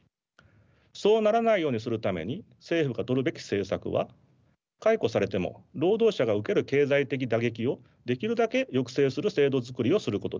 そうならないようにするために政府がとるべき政策は解雇されても労働者が受ける経済的打撃をできるだけ抑制する制度づくりをすることです。